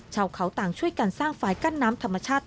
ชาวเขาต่างช่วยกันสร้างฝ่ายกั้นน้ำธรรมชาติ